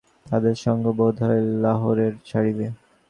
তাঁহাদের সঙ্গ বোধ হয় লাহোরে ছাড়িব।